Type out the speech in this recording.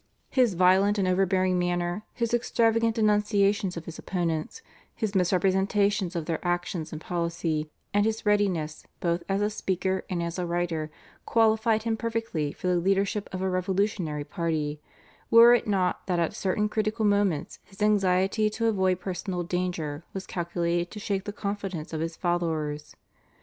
His violent and overbearing manner, his extravagant denunciations of his opponents, his misrepresentations of their actions and policy, and his readiness both as a speaker and as a writer, qualified him perfectly for the leadership of a revolutionary party, were it not that at certain critical moments his anxiety to avoid personal danger was calculated to shake the confidence of his followers.